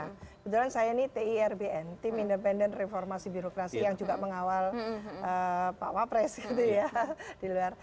kebetulan saya ini tirbn tim independen reformasi birokrasi yang juga mengawal pak wapres gitu ya